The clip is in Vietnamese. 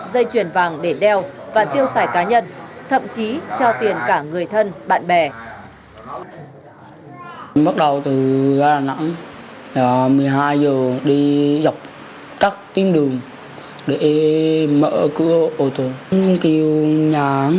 dây chuyền vàng để đeo và tiêu xài cá nhân thậm chí cho tiền cả người thân